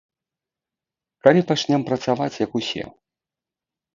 Калі пачнём працаваць як усе?